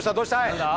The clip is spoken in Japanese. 何だ？